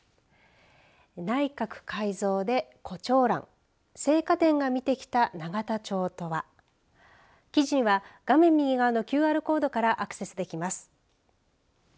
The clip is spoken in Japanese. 内閣改造で胡蝶蘭生花店がみてきた永田町とは記事には画面右側のＱＲコードからアクセスできます。